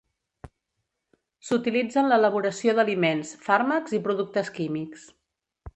S'utilitza en l'elaboració d'aliments, fàrmacs i productes químics.